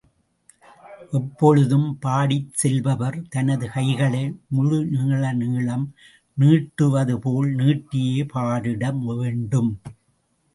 எப்பொழுதும் பாடிச் செல்பவர், தனது கைகளை முழு அளவு நீளம் நீட்டுவதுபோல் நீட்டியே பாடிட வேண்டும்.